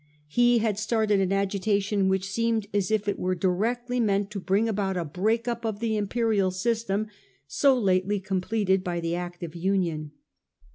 He had started an agitation which seemed as if it were directly meant to bring about a break up of the Impe rial system so lately completed by the Act of Union.